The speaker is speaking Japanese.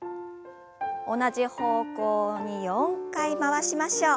同じ方向に４回回しましょう。